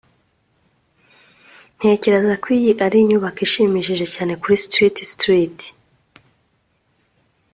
ntekereza ko iyi ari inyubako ishimishije cyane kuri street street